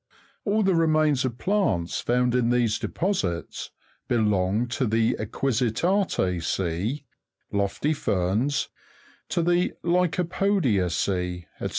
All the remains of plants found in these deposits belong to the equisita'ceae, lofty ferns, to the lycopodea'ceae, &c.